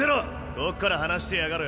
どっから話してやがる？